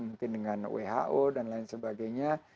mungkin dengan who dan lain sebagainya